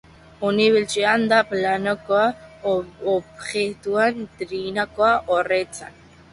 Unibertsala da planoko objektu trinko ororentzat.